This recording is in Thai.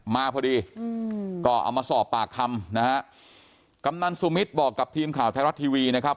มาพอดีอืมก็เอามาสอบปากคำนะฮะกำนันสุมิตรบอกกับทีมข่าวไทยรัฐทีวีนะครับ